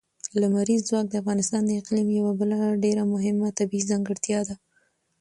لمریز ځواک د افغانستان د اقلیم یوه بله ډېره مهمه طبیعي ځانګړتیا ده.